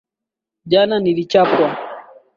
Jana nilichapwa